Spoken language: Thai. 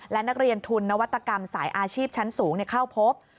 และนักเรียนทุนนวัตกรรมสายอาชีพชั้นสูงเข้าพบ